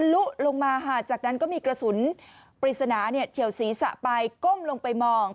หลุงมาจากนั้นก็มีกระสุนปริศนาเนี่ยเฉียวสีสะปายก้มลงไปมอง